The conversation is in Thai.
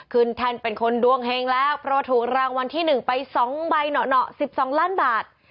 ขึ้นแทนเป็นคนดวงแห่งแล้วเพราะถูกรางวัลที่๑ไป๒ใบเหนาะ๑๒ล้านบาท